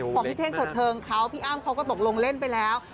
ของพี่เท่งเถิดเทิงเขาพี่อ้ำเขาก็ตกลงเล่นไปแล้ว